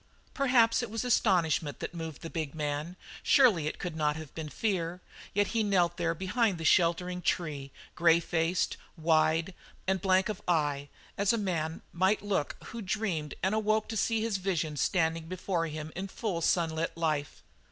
Perhaps it was astonishment that moved the big man surely it could not have been fear yet he knelt there behind the sheltering tree grey faced, wide, and blank of eye, as a man might look who dreamed and awoke to see his vision standing before him in full sunlit life.